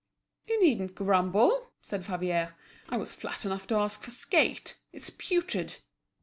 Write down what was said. "You needn't grumble!" said Favier. "I was flat enough to ask for skate. It's putrid."